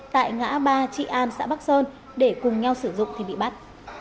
tại ngã ba trị an xã bắc sơn để cùng nhau sử dụng thì bị bắt